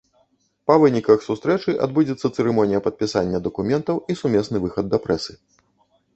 Па выніках сустрэчы адбудзецца цырымонія падпісання дакументаў і сумесны выхад да прэсы.